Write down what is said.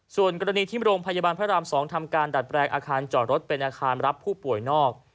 ส่วนกรณีที่โรงพยาบาลพระราม๒ทำการดัดแปลงอาคารจอดรถเป็นอาคารรับผู้ป่วยนอก